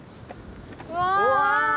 うわ！